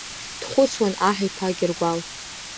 Дхәыцуан аҳ иԥа Гьыргәал.